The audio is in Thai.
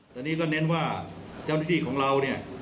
ตอนนี้ก็เน้นว่าเจ้าหน้าที่ของเราเนี่ย